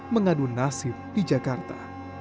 mengadu nasib di jakarta